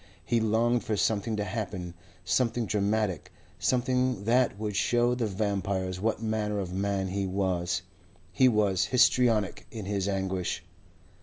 He longed for something to happen, something dramatic, something that would show the vampires what manner of man he was. He was histrionic in his anguish.